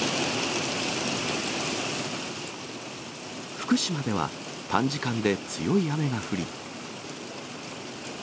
福島では、短時間で強い雨が降り。